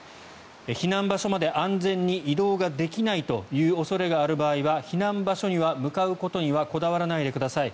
避難場所まで安全に移動ができないという恐れがある場合は避難場所に向かうことにはこだわらないでください。